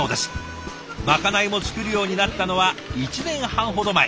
まかないも作るようになったのは１年半ほど前。